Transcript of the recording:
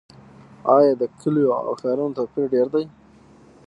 آیا د کلیو او ښارونو توپیر ډیر دی؟